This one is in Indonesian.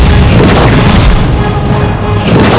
aku akan melakukannya